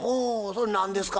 それ何ですか？